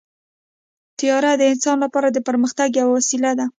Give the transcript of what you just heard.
طیاره د انسان لپاره د پرمختګ یوه وسیله ده.